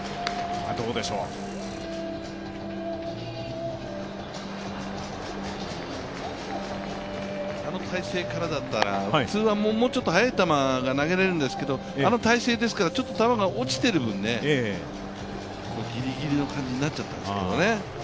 あの体勢からだったら、普通はもっと速い球が投げられるんですけどあの体勢ですから、ちょっと球が落ちてる分、ぎりぎりの感じになっちゃったんですね。